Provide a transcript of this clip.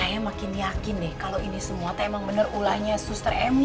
saya makin yakin deh kalau ini semua teh emang bener ulahnya suster emy